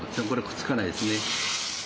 これくっつかないですね。